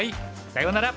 さようなら。